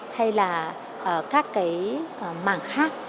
hay là các cái mảng khác